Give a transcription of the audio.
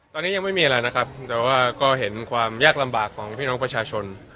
ตอนนี้ยังไม่มีอะไรนะครับแต่ว่าก็เห็นความยากลำบากของพี่น้องประชาชน